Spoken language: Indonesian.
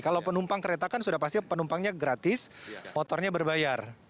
kalau penumpang kereta kan sudah pasti penumpangnya gratis motornya berbayar